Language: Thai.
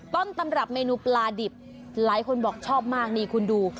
ป้อนตำรับเมนูปลาดิบหลายคนบอกชอบมาก